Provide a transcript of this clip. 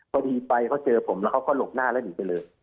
พอดีไปเขาเจอผมแล้วเขาก็หลบหน้าแล้วหนีไปเลย